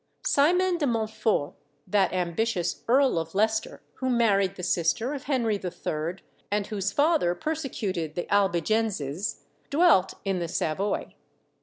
Simon de Montfort, that ambitious Earl of Leicester who married the sister of Henry III., and whose father persecuted the Albigenses, dwelt in the Savoy.